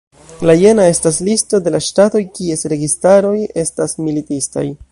La jena estas listo de la ŝtatoj kies registaroj estas militistaj.